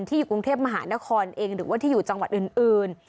อยู่กรุงเทพมหานครเองหรือว่าที่อยู่จังหวัดอื่น